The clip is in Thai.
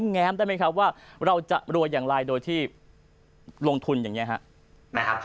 แง้มได้ไหมครับว่าเราจะรวยอย่างไรโดยที่ลงทุนอย่างนี้ครับ